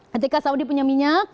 ketika saudi punya minyak